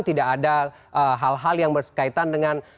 tidak ada hal hal yang berkaitan dengan